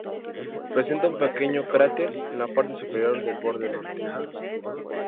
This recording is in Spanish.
Presenta un pequeño cráter en la parte superior del borde norte.